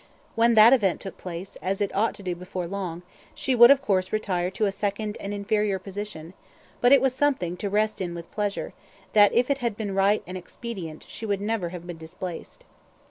When that event took place, as it ought to do before long, she would of course retire to a second and inferior position; but it was something to rest in with pleasure, that if it had been right and expedient, she would never have been displaced.